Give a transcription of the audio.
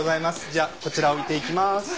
じゃあこちら置いていきます。